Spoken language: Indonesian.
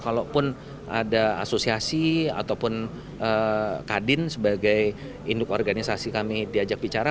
kalaupun ada asosiasi ataupun kadin sebagai induk organisasi kami diajak bicara